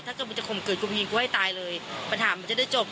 ถ้าเกิดมึงจะข่มเกิดกูยิงกูให้ตายเลยปัญหามันจะได้จบ